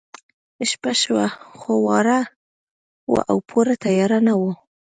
شپه شوه خو واوره وه او پوره تیاره نه وه